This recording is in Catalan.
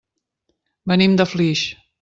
Venim de Flix.